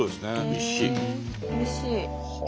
おいしい！